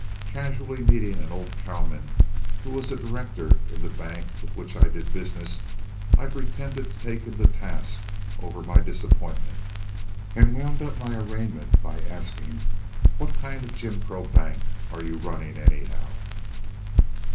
Casually meeting an old cowman who was a director in the bank with which I did business, I pretended to take him to task over my disappointment, and wound up my arraignment by asking, "What kind of a jim crow bank are you running, anyhow?"